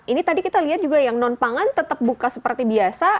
ini tadi kita lihat juga yang non pangan tetap buka seperti biasa